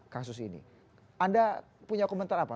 kasus ini anda punya komentar apa